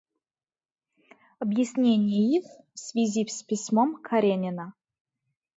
Объяснение их в связи с письмом Каренина.